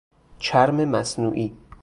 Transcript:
چرم مصنوعی